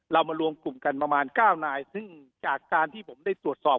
เรามารวมกลุ่มกันประมาณ๙นายซึ่งจากการที่ผมได้ตรวจสอบ